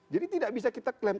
jadi tidak bisa kita klaim